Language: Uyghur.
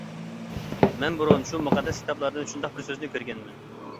مەن بۇرۇن شۇ مۇقەددەس كىتابلاردىن شۇنداق بىر سۆزنى كۆرگەنمەن.